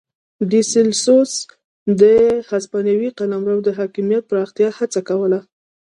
ډي سلوس د هسپانوي قلمرو د حاکمیت پراختیا هڅه کوله.